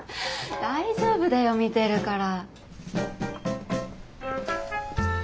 大丈夫だよ見てるから。